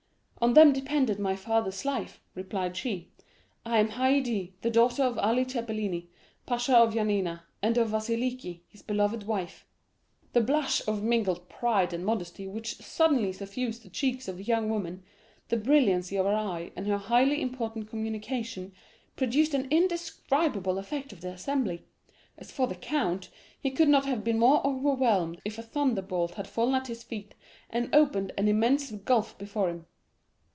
'—'On them depended my father's life,' replied she. 'I am Haydée, the daughter of Ali Tepelini, pasha of Yanina, and of Vasiliki, his beloved wife.' 40202m "The blush of mingled pride and modesty which suddenly suffused the cheeks of the young woman, the brilliancy of her eye, and her highly important communication, produced an indescribable effect on the assembly. As for the count, he could not have been more overwhelmed if a thunderbolt had fallen at his feet and opened an immense gulf before him.